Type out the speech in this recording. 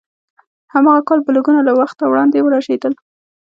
هماغه کال بلګونه له وخته وړاندې ورژېدل.